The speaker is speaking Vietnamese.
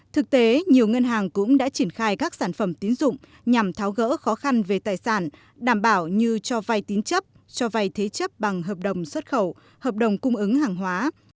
thực tế nhiều ngân hàng cũng đã triển khai các sản phẩm tín dụng nhằm tháo gỡ khó khăn về tài sản đảm bảo như cho vay tín chấp cho vay thế chấp bằng hợp đồng xuất khẩu hợp đồng cung ứng hàng hóa